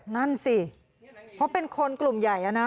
นั่นสิเพราะเป็นคนกลุ่มใหญ่นะ